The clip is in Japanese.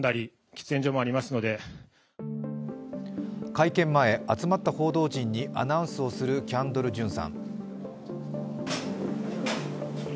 会見前、集まった報道陣にアナウンスをするキャンドル・ジュンさん。